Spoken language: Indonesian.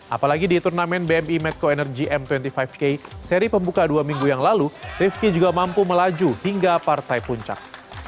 apalagi di turnamen bmi medco energy m dua puluh lima k seri pembuka dua minggu yang lalu rivki juga mampu melaju hingga partai puncak